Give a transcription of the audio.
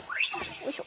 よいしょ。